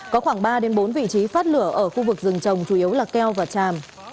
có khoảng ba bốn vị trí phát lửa ở khu vực rừng trồng chủ yếu là keo và chàm